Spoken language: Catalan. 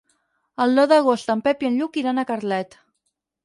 El deu d'agost en Pep i en Lluc iran a Carlet.